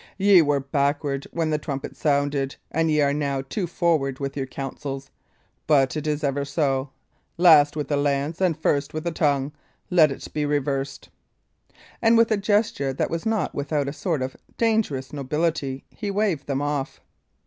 Ye were backward when the trumpet sounded; and ye are now too forward with your counsels. But it is ever so; last with the lance and first with tongue. Let it be reversed." And with a gesture that was not without a sort of dangerous nobility, he waved them off.